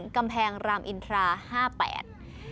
กำแพงรามอินทราห้าแปด